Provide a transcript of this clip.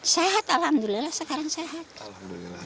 sehat alhamdulillah sekarang sehat